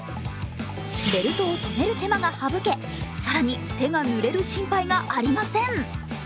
ベルトを止める手間が省け更に手がぬれる心配がありません。